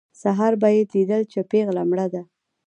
سهار به یې لیدل چې پېغله مړه ده.